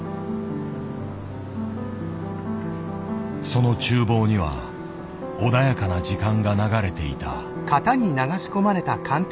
その厨房には穏やかな時間が流れていた。